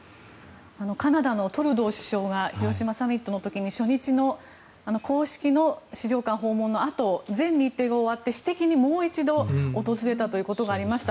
カナダのトルドー首相が広島サミットの時に初日の公式の資料館訪問のあと全日程が終わって私的にもう一度訪れたということがありました。